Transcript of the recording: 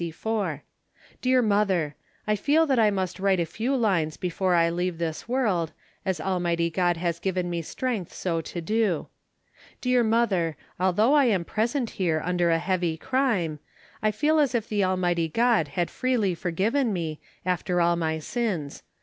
"Dear Mother, I feel that I must write a few lines before I leave this world, as Almighty God has given me strength so to do. Dear Mother, although I am present here under a heavy crime, I feel as if the Almighty God had freely forgiven me, after all my sins.